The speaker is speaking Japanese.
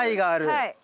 はい。